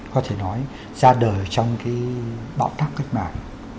có thể nói ra đời trong cái bảo tác cách mạng